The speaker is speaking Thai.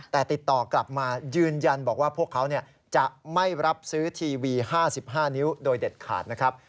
แต่ติดต่อกลับมายืนยันบอกว่าพวกเขาจะไม่รับซื้อทีวี๕๕นิ้วโดยเด็ดขาดนะครับ